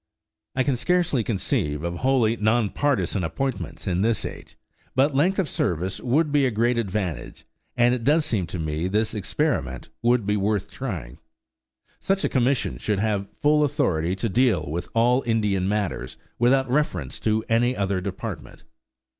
I can scarcely conceive of wholly non partisan appointments in this age, but length of service would be a great advantage, and it does seem to me this experiment would be worth trying. Such a commission should have full authority to deal with all Indian matters without reference to any other department.